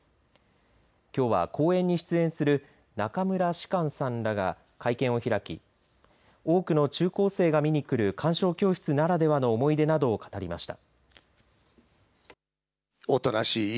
きょうは公演に出演する中村芝翫さんらが会見を開き多くの中高生が見にくる鑑賞教室ならではの思い出などを語りました。